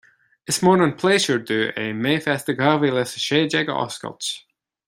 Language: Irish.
Is mór an pléisiúr dom é MayFest dhá mhíle a sé déag a oscailt